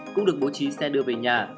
cũng được bố trí xe đưa về nhà